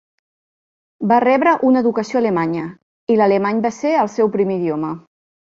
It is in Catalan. Va rebre una educació alemanya, i l'alemany va ser el seu primer idioma.